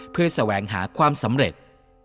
เพื่อแสวงหาความสำเร็จ